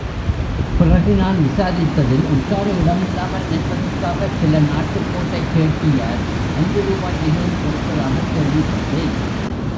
பிறகு நான் விசாரித்ததில் உட்கார இடமில்லாமல் நிற்பதற்காகச் சில நாட்டுக்கோட்டைச் செட்டியார் ஐந்து ரூபாய் விகிதம் கொடுத்ததாகக் கேள்விப்பட்டேன்.